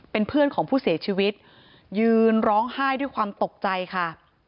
เป็นเพื่อนของผู้เสียชีวิตยืนร้องไห้ด้วยความตกใจค่ะ